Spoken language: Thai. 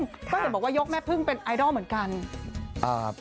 ก็เห็นบอกว่ายกแม่พึ่งเป็นไอดอลเหมือนกัน